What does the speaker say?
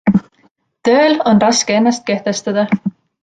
Tööl on raske ennast kehtestada.